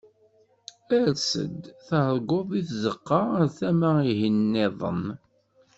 Ers-d, terǧuḍ di tzeqqa ar tama-ihin-nniḍen.